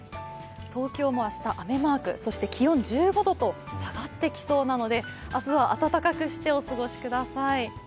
東京も明日は雨マーク、そして気温は１５度と下がってきそうなので、明日は暖かくしてお過ごしください。